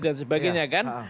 dan sebagainya kan